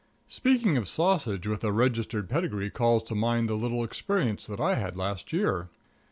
Speaking of sausage with a registered pedigree calls to mind a little experience that I had last year.